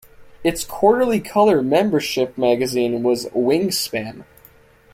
Its quarterly colour membership magazine was "Wingspan".